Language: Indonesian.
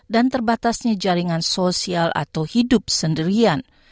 dan terbatasnya jaringan sosial atau hidup sendirian